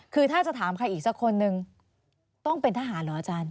คือถ้าจะถามใครอีกสักคนนึงต้องเป็นทหารเหรออาจารย์